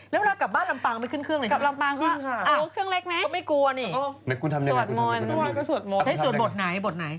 แล้วเวลากลับบ้านลำปังไม่ขึ้นเครื่องได้ใช่ไหม